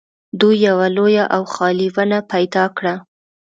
دوی یوه لویه او خالي ونه پیدا کړه